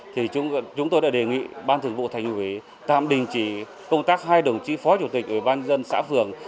thì chúng tôi đã đề nghị ban thường vụ thành ủy tạm đình chỉ công tác hai đồng chí phó chủ tịch ủy ban dân xã phường